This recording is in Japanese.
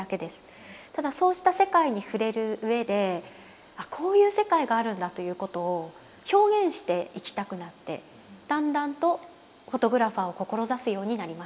ただそうした世界に触れるうえでこういう世界があるんだということを表現していきたくなってだんだんとフォトグラファーを志すようになりました。